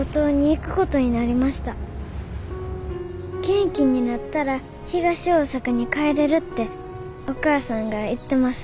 元気になったら東大さかに帰れるっておかあさんが言ってます。